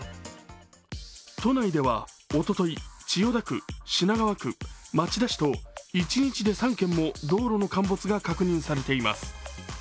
都内ではおととい、千代田区、品川区、町田市と１日で３件も道路の陥没が確認されています。